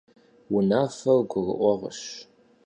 Унафэр гурыӀуэгъуэщ.